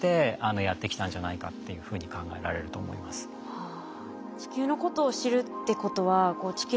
はあ。